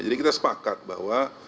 jadi kita sepakat bahwa